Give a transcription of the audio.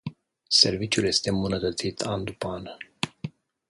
Serviciul este îmbunătățit an după an.